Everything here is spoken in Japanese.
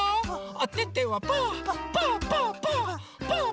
おててはパーパーパーパー！